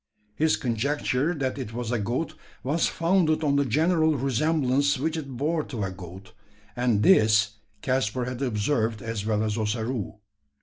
His conjecture that it was a goat was founded on the general resemblance which it bore to a goat; and this Caspar had observed as well as Ossaroo.